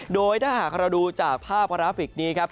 โดยถ้าหากเราดูจากภาพกราฟิกนี้ครับ